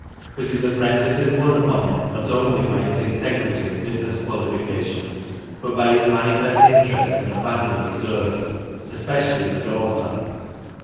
But his apprentice had won upon him not only by his integrity and business qualifications, but by his manifest interest in the family he served, especially the daughter.